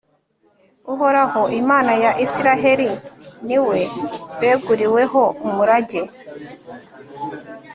uhoraho, imana ya israheli, ni we beguriweho umurage